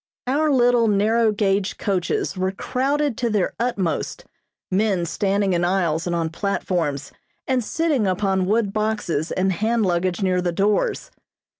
Our little narrow gauge coaches were crowded to their utmost, men standing in aisles and on platforms, and sitting upon wood boxes and hand luggage near the doors.